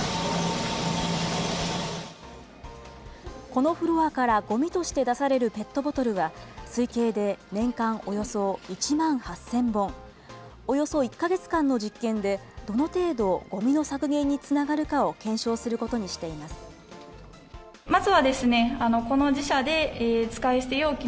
このフロアからごみとして出されるペットボトルは、推計で年間およそ１万８０００本、およそ１か月間の実験で、どの程度ごみの削減につながるかを検証することにしています。